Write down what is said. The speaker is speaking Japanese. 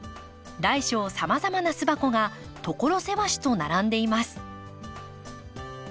大小さまざまな巣箱が所狭しと並んでいます。